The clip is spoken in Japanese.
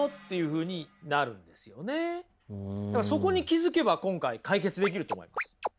そこに気付けば今回解決できると思います。